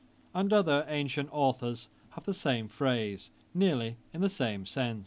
And other ancient authours have the same phrase, nearly in the same sense.'